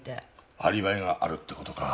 アリバイがあるって事か。